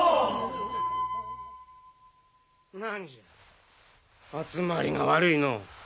何じゃ集まりが悪いのう。